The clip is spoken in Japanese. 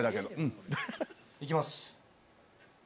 行きます。